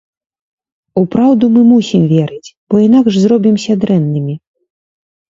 У праўду мы мусім верыць, бо інакш зробімся дрэннымі.